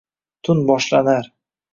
Tun boshlanar